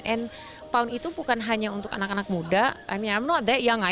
dan pound itu bukan hanya untuk anak anak muda saya tidak begitu muda juga